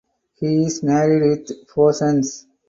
He is married with four sons.